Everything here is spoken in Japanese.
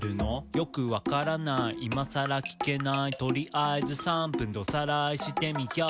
「よく分からない今さら聞けない」「とりあえず３分でおさらいしてみよう」